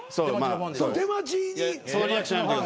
出待ちに。